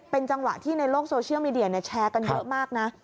เป็นจังหวะที่ในโลกโซเชียลมีเดียแชร์กันเยอะมากนะ